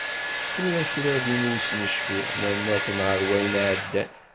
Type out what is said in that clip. Tura kra din ur s-necfi, nerna-ten ɣer wayen iɛeddan.